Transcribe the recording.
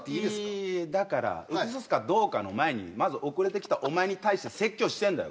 いやいやだから受けさすかどうかの前にはいまず遅れてきたお前に対して説教してんだよ